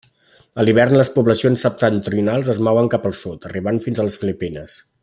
A l'hivern les poblacions septentrionals es mouen cap al sud, arribant fins a les Filipines.